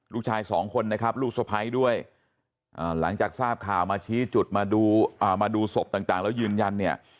ลูกชายสองคนนะครับลูกสะพ้ายด้วยหลังจากทราบข่าวมาชี้จุดมาดูศพต่างแล้วยืนยันเนี่ย